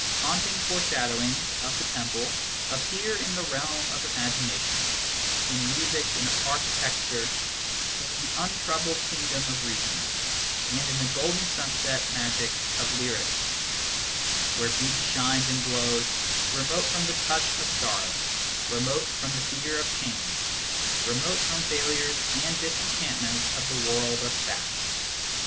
Haunting foreshado wings of the temple appear in the realm of imagination, in music, in architecture, in the untroubled kingdom of reason, and in the golden sunset magic of lyrics, where beauty shines and glows, remote from the touch of sorrow, remote from the fear of change, remote from the failures and disenchantments of the world of fact.